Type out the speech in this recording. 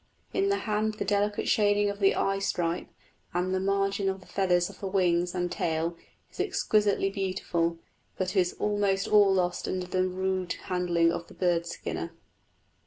In the hand the delicate shading of the eye stripe, and the margin of the feathers of the wings and tail, is exquisitely beautiful, but is almost all lost under the rude handling of the bird skinner."